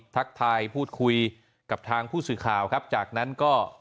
ทักทายพูดคุยกับทางผู้สื่อข่าวครับจากนั้นก็